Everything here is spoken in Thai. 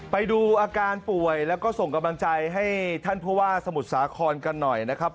ไปดูอาการป่วยแล้วก็ส่งกำลังใจให้ท่านผู้ว่าสมุทรสาครกันหน่อยนะครับ